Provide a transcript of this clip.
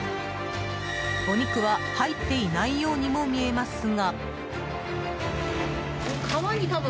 お肉は入っていないようにも見えますが。